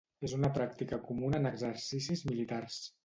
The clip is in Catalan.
És una pràctica comuna en exercicis militars.